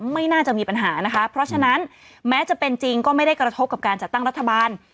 ไม่น่าจะมีปัญหานะคะเพราะฉะนั้นแม้จะเป็นจริงก็ไม่ได้กระทบกับการจัดตั้งรัฐบาล